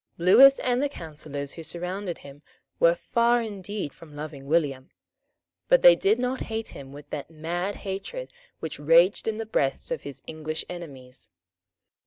Lewis and the counsellors who surrounded him were far indeed from loving William. But they did not hate him with that mad hatred which raged in the breasts of his English enemies.